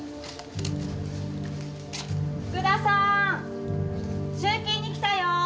福田さん集金に来たよ。